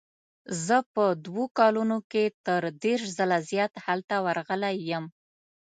زه په دوو کلونو کې تر دېرش ځله زیات هلته ورغلی یم.